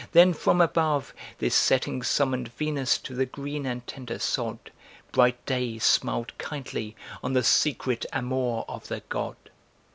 Then from above, This setting summoned Venus to the green and tender sod, Bright day smiled kindly on the secret amour of the God.